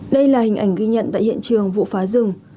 đây là hình ảnh ghi nhận tại hiện trường vụ phá rừng